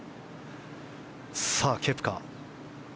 さあ、ケプカ。